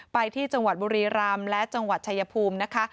ไปที่จังหวัดบุรีรำและจังหวัดชายภูมินะคะ